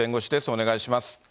お願いします。